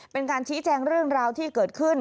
เป็นการชี้แจงเรื่องราวที่เกิดขึ้น